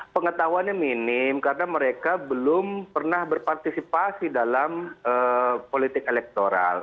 pengetahuannya minim karena mereka belum pernah berpartisipasi dalam politik elektoral